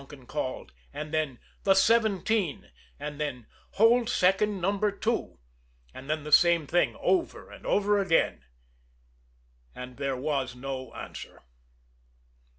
"CS CS CS," Donkin called; and then, "the seventeen," and then, "hold second Number Two." And then the same thing over and over again. And there was no answer.